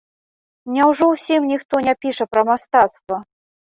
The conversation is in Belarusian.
Няўжо ўсім ніхто не піша пра мастацтва?